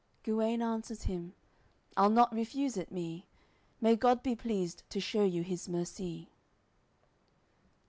Guene answers him: "I'll not refuse it, me. May God be pleased to shew you His mercy."